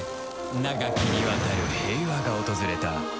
長きにわたる平和が訪れた